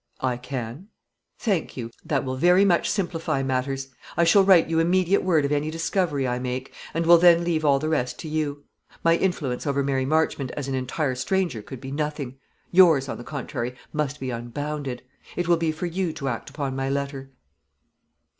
"I can." "Thank you; that will very much simplify matters. I shall write you immediate word of any discovery I make, and will then leave all the rest to you. My influence over Mary Marchmont as an entire stranger could be nothing. Yours, on the contrary, must be unbounded. It will be for you to act upon my letter."